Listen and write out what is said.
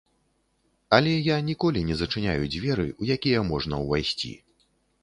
Але я ніколі не зачыняю дзверы, у якія можна ўвайсці.